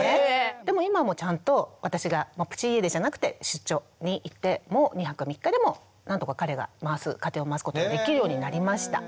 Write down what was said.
でも今もうちゃんと私がプチ家出じゃなくて出張に行っても２泊３日でも何とか彼が家庭を回すことができるようになりました。